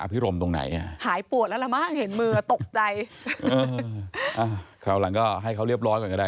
คราวหลังก็ให้เขาเรียบร้อยก่อนก็ได้